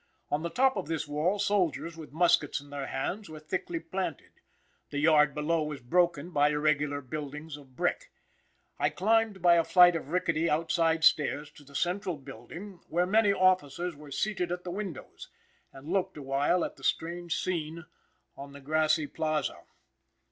On the top of this wall, soldiers with muskets in their hands, were thickly planted. The yard below was broken by irregular buildings of brick. I climbed by a flight of rickety outside stairs to the central building, where many officers were seated at the windows, and looked awhile at the strange scene on the grassy plaza.